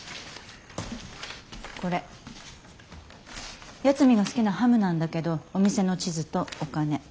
これ八海が好きなハムなんだけどお店の地図とお金。